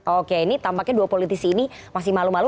oke ini tampaknya dua politisi ini masih malu malu